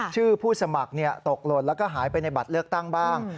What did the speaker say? ผู้สมัครตกหล่นแล้วก็หายไปในบัตรเลือกตั้งบ้าง